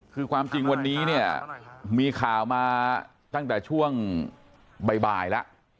คือความจริงวันนี้เนี่ยมีข่าวมาตั้งแต่ช่วงบ่ายแล้ว